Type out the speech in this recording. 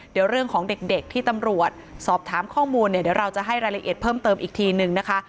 เดี๋ยวเรื่องของเด็กที่ตำรวจสอบถามข้อมูลเนี่ยเดี๋ยวเราจะให้รายละเอียดเพิ่มเติมอีกทีนึงนะคะ